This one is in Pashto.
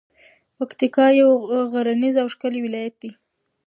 پکتیکا یو غرنیز او ښکلی ولایت ده.